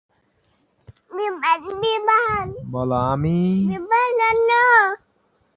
অশোকের সময়ে দক্ষিণ ভারতে চার স্বাধীন রাজ্য এক ছিল বলে উল্লেখ করা হয়েছে।